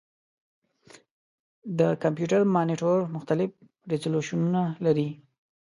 د کمپیوټر مانیټر مختلف ریزولوشنونه لري.